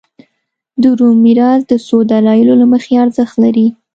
د روم میراث د څو دلایلو له مخې ارزښت لري